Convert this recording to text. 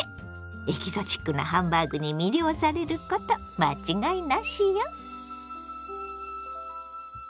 エキゾチックなハンバーグに魅了されること間違いなしよ。